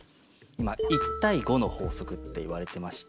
１対５の法則っていわれてまして。